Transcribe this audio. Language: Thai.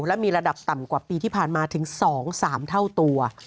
และมีระดับต่ำกว่าปีที่ผ่านมาถึง๒๓เท่าตัว